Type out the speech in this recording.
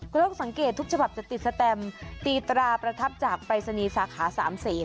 กล้องสังเกตทุกฉบับจะติดสแตมตีตราประทับจากปรายศนีย์สาขาสามเศษ